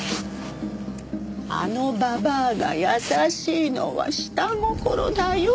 あのババアが優しいのは下心だよ。